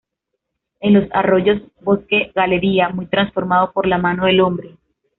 En los arroyos, bosques galería, muy transformados por la mano del hombre.